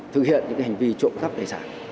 thực hiện những hành vi trộm cắp tài sản